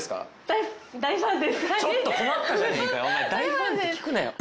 大ファン？って聞くなよ。